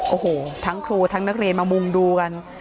โอ้โหทั้งครูทั้งนักเรียนมามุงดูกัน